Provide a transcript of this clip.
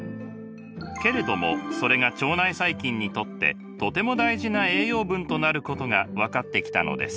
けれどもそれが腸内細菌にとってとても大事な栄養分となることが分かってきたのです。